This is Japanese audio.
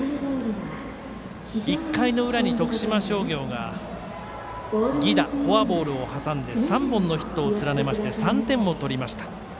１回の裏に徳島商業が犠打フォアボールを挟んで３本のヒットを連ねまして３点を取りました。